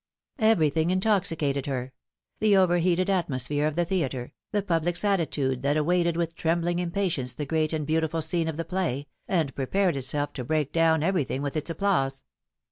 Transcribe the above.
Everything intoxicated her: the overheated atmosphere of the theatre, the public's atti tude that awaited with trembling impatience the great and beautiful scene of the play, and prepared itself to break down everything with its applause.